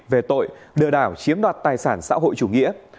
về tội lừa đảo chiếm đoạt tài sản xã hội chủ nghĩa